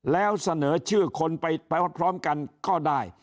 แล้วเสนอชื่อคนไปพร้อมกันก็ได้